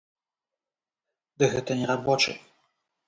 Ды гэта не рабочы.